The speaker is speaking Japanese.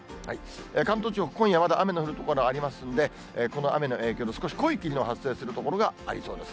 関東地方、今夜まだ雨の降る所ありますんで、この雨の影響で少し濃い霧の発生する所がありそうです。